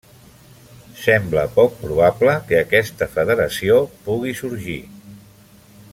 Sembla poc probable que aquesta federació pugui sorgir.